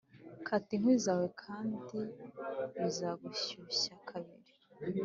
kata inkwi zawe kandi bizagushyushya kabiri.